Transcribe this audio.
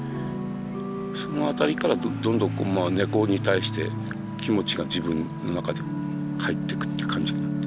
その辺りからどんどん猫に対して気持ちが自分の中にかえってくって感じになって。